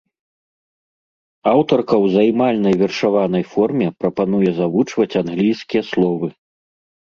Аўтарка ў займальнай вершаванай форме прапануе завучваць англійскія словы.